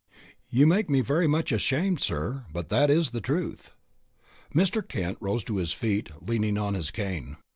"You make me very much ashamed, sir, but that is the truth." Mr. Kent rose to his feet, leaning on his cane.